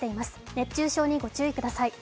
熱中症にご注意ください。